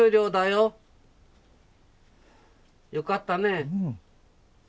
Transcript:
よかったね。